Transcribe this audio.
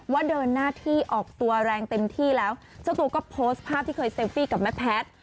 ว่าเดินหน้าที่ออกตัวแรงเต็มที่แล้วเจ้าตัวก็โพสต์ภาพที่เคยเซลฟี่กับแม่แพทย์